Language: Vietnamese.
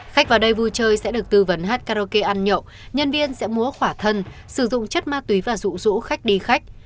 khách vào đây vui chơi sẽ được tư vấn hát karaoke ăn nhậu nhân viên sẽ múa khỏa thân sử dụng chất ma túy và rụ rỗ khách đi khách